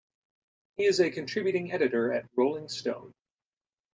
He is a contributing editor at "Rolling Stone".